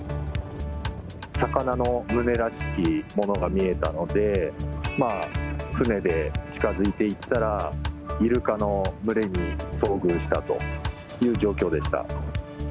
魚の群れらしきものが見えたので、船で近づいていったら、イルカの群れに遭遇したという状況でした。